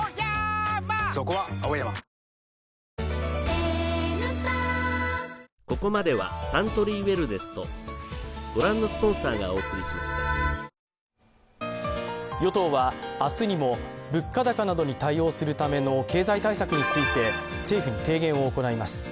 えええぇ⁉ＬＧ２１与党は明日にも物価高などに対応するための経済対策について、政府に提言を行います。